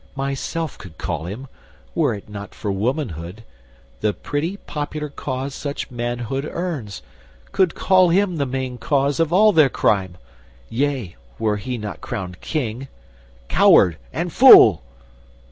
Myself Could call him (were it not for womanhood) The pretty, popular cause such manhood earns, Could call him the main cause of all their crime; Yea, were he not crowned King, coward, and fool."